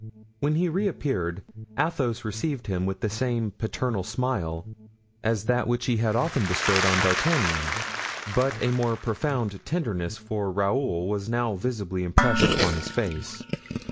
When he reappeared, Athos received him with the same paternal smile as that which he had often bestowed on D'Artagnan, but a more profound tenderness for Raoul was now visibly impressed upon his face.